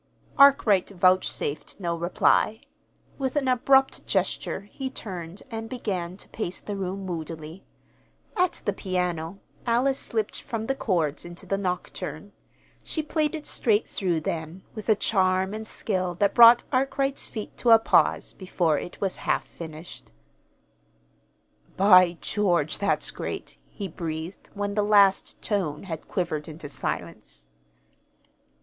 Arkwright vouchsafed no reply. With an abrupt gesture he turned and began to pace the room moodily. At the piano Alice slipped from the chords into the nocturne. She played it straight through, then, with a charm and skill that brought Arkwright's feet to a pause before it was half finished. "By George, that's great!" he breathed, when the last tone had quivered into silence.